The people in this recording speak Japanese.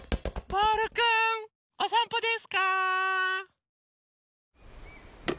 ボールくんおさんぽですか？